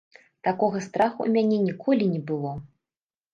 Такога страха ў мяне ніколі не было.